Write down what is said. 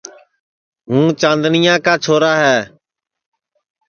ہوں چاندنیا کا چھورا ہے